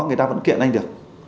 người ta vẫn kiện anh được